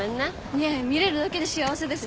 いえ見れるだけで幸せです。